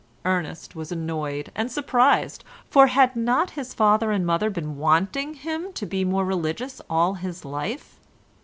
Ernest was annoyed and surprised, for had not his father and mother been wanting him to be more religious all his life?